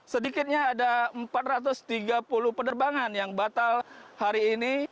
sedikitnya ada empat ratus tiga puluh penerbangan yang batal hari ini